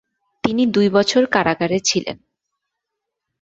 তিনি দুই বছর কারাগারে ছিলেন।